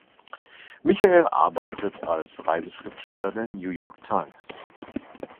Michael arbeitet als Reiseschriftsteller der "New York Times".